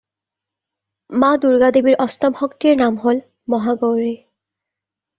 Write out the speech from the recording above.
মা দুৰ্গাদেৱীৰ অষ্টম শক্তিৰ নাম হ'ল মহাগৌৰী।